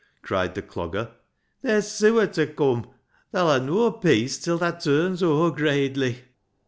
" cried the Clogger. " They're sewer ta come ; tha'll ha' noa peace till thaa turns o'er gradely."